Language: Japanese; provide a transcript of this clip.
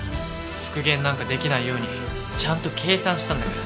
復元なんかできないようにちゃんと計算したんだから。